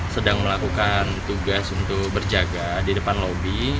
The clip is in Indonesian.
sedang melakukan tugas untuk berjaga di depan lobi